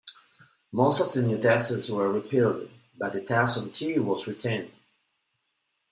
Most of the new taxes were repealed, but the tax on tea was retained.